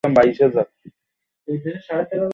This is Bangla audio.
ভাষণ দিতে যাচ্ছিস না তুই।